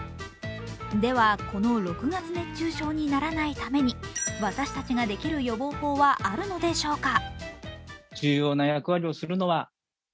では、この６月熱中症にならないために私たちができる予防法はあるのでしょうか。